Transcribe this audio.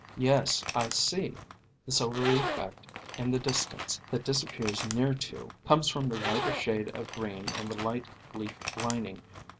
Yes, I see. . The silvery effect in the distance that disappears near to, comes from the whit ish shade of green and the light leaf lining.